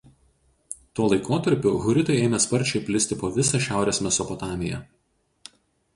Tuo laikotarpiu huritai ėmė sparčiai plisti po visą Šiaurės Mesopotamiją.